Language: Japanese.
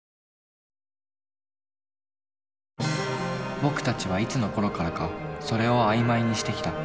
僕たちはいつのころからか「それ」を曖昧にしてきた。